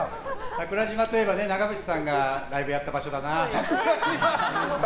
桜島といえば長淵さんがライブやった場所だな。